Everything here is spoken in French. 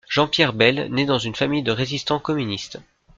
Jean-Pierre Bel naît dans une famille de résistants communistes.